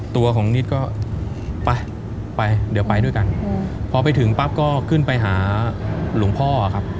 ตัวของนิดก็ไปไปเดี๋ยวไปด้วยกันพอไปถึงปั๊บก็ขึ้นไปหาหลวงพ่อครับ